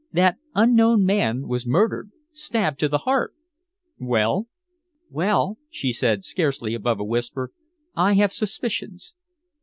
"That unknown man was murdered stabbed to the heart." "Well?" "Well," she said, scarcely above a whisper, "I have suspicions."